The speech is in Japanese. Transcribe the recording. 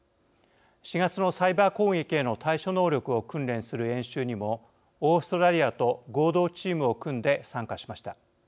４月のサイバー攻撃への対処能力を訓練する演習にもオーストラリアと合同チームを組んで参加しました。